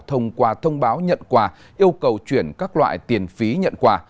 thông qua thông báo nhận quà yêu cầu chuyển các loại tiền phí nhận quà